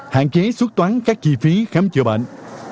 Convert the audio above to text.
hạn chế suốt toán các chi phí khám chữa bệnh